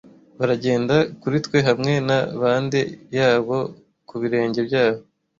baragenda kuri twe hamwe na bande yabo ku birenge byabo